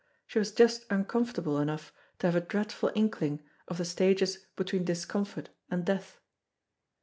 She was just uncomfortable enough to have a dreadful inkling of the stages between discomfort and death.